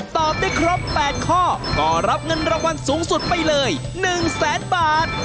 ตอบได้ครบ๘ข้อก็รับเงินรางวัลสูงสุดไปเลย๑แสนบาท